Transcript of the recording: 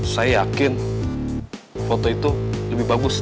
saya yakin foto itu lebih bagus